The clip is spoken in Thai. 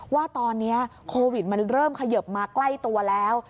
ว่าตอนนี้โควิดมันเริ่มเขยิบมาใกล้ตัวแล้ว